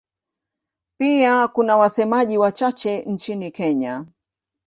Pia kuna wasemaji wachache nchini Kenya.